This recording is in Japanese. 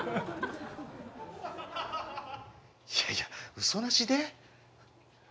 いやいやうそなしで？